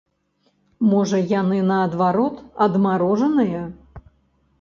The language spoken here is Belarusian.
Можа, яны, наадварот, адмарожаныя?